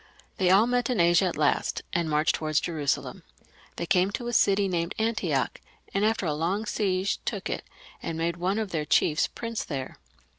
They all met in Asia at last, and marched towards Jerusalem. They came to a city named Antioch, and after a long siege took it, and made one of their chiefs Prince there.